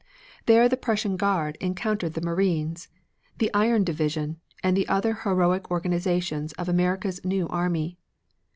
There the Prussian Guard encountered the Marines, the Iron Division and the other heroic organizations of America's new army.